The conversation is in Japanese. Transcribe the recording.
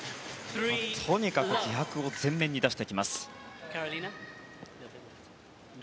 とにかく気迫を前面に出してきます。